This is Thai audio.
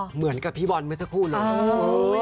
เหมือนกับพี่บอลไหมสักครู่แล้ว